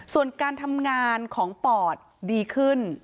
ส่วนการทำงานของปอดดีขึ้น